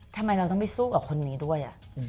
ทำไมเราต้องไปสู้กับคนนี้ด้วย